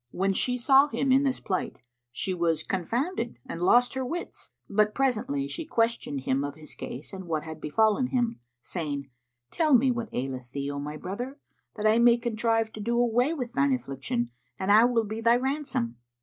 When she saw him in this plight, she was confounded and lost her wits; but presently she questioned him of his case and what had befallen him, saying, "Tell me what aileth thee, O my brother, that I may contrive to do away thine affliction, and I will be thy ransom!"